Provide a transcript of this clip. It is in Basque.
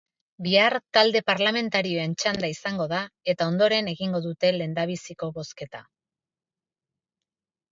Bihar talde parlamentarioen txanda izango da eta ondoren egingo dute lehendabiziko bozketa.